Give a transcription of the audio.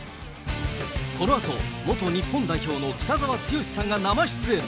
このあと、元日本代表の北澤豪さんが生出演。